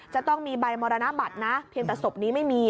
จะต้องมีใบมรณบัตรนะเพียงแต่ศพนี้ไม่มี